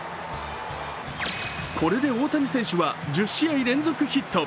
これで大谷選手は１０試合連続ヒット。